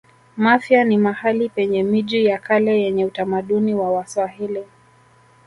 mafia ni mahali penye miji ya kale yenye utamaduni wa waswahili